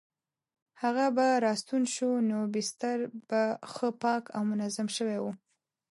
هغه به راستون شو نو بستر به ښه پاک او منظم شوی وو.